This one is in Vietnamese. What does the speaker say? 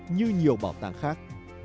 như nhiều bảo tàng khác